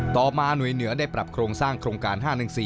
ต่อมาหน่วยเหนือได้ปรับโครงสร้างโครงการ๕๑๔